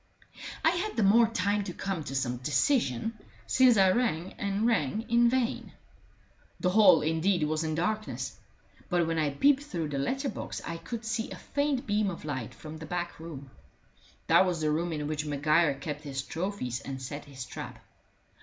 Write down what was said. I had the more time to come to some decision, since I rang and rang in vain. The hall, indeed, was in darkness; but when I peeped through the letter box I could see a faint beam of light from the back room. That was the room in which Maguire kept his trophies and set his trap.